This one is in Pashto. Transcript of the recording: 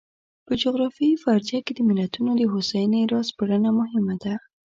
په جغرافیوي فرضیه کې د ملتونو د هوساینې را سپړنه مهمه ده.